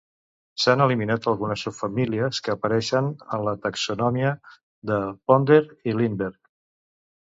S'han eliminat algunes subfamílies que apareix en la taxonomia de Ponder i Lindberg.